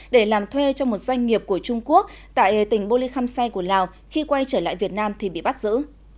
để làm thuê cho một doanh nghiệp của trung quốc tại tỉnh bô lý khăm sai của lào khi quay trở lại việt nam thì bị bắt giữ